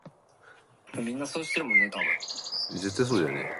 Other executives included Jack Galmiche, John Brunelle and Brian Feldman.